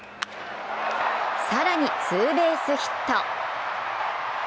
更に、ツーベースヒット。